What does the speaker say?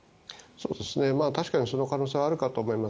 確かにその可能性はあるかと思います。